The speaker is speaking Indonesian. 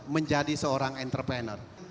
menjadi seorang entrepreneur